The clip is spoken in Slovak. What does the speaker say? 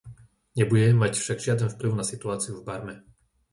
Nebude mať však žiaden vplyv na situáciu v Barme.